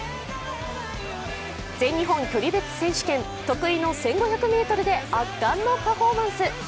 全日本距離別選手権、得意の１５００ｍで圧巻のパフォーマンス。